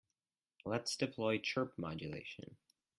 Let's deploy chirp modulation.